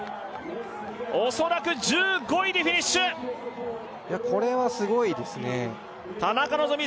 恐らく１５位でフィニッシュいやこれはすごいですね田中希実